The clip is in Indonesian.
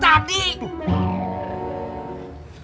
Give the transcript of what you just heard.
tidak ada yang berani ngelawan mak ipah